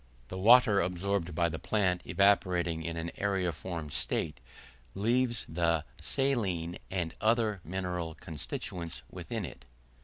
The water absorbed by the plant evaporating in an aeriform state leaves the saline and other mineral constituents within it.